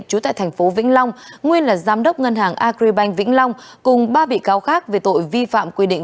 trú tại thành phố vĩnh long nguyên là giám đốc ngân hàng agribank vĩnh long cùng ba bị cáo khác về tội vi phạm quy định